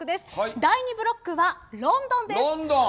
第２ブロックはロンドンです。